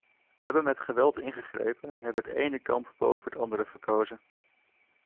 We hebben met geweld ingegrepen en hebben het ene kamp boven het andere verkozen.